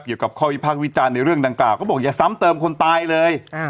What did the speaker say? เกี่ยวกับข้อวิพากษ์วิจารณ์ในเรื่องดังกล่าวก็บอกอย่าซ้ำเติมคนตายเลย